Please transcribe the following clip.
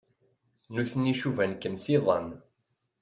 Nutni cuban-kem s iḍan.